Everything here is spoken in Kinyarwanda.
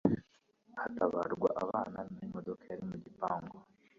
hatabarwa abana n'imodoka yari mu gipangu